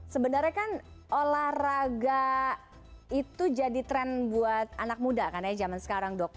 sebenarnya kan olahraga itu jadi tren buat anak muda kan ya zaman sekarang dok